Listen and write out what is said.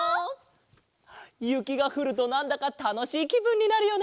ゆきがふるとなんだかたのしいきぶんになるよね！